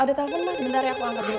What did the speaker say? ada telepon mas bentar ya aku angkat dulu